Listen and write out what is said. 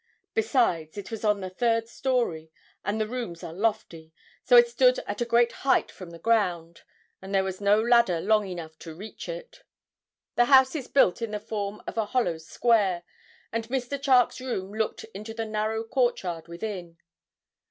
Besides, it was on the third story, and the rooms are lofty, so it stood at a great height from the ground, and there was no ladder long enough to reach it. The house is built in the form of a hollow square, and Mr. Charke's room looked into the narrow court yard within.